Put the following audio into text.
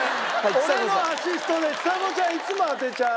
俺のアシストでちさ子ちゃんいつも当てちゃう！